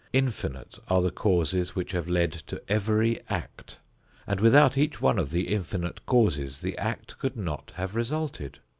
Infinite are the causes which have led to every act, and without each one of the infinite causes the act could not have resulted.